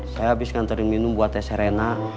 saya habiskan terim minum buat teh serena